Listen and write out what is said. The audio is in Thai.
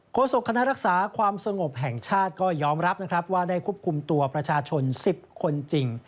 โศกคณะรักษาความสงบแห่งชาติก็ยอมรับนะครับว่าได้ควบคุมตัวประชาชน๑๐คนจริง